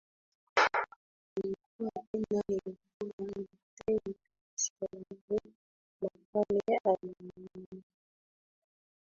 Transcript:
Nilikuwa tena nilikuwa luteni kabisa mzee makame alimjibu Jacob